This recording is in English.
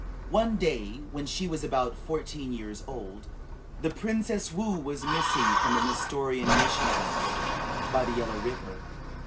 One day, when she was about fourteen years old, the Princess Woo was missing from the Nestorian mission house, by the Yellow River.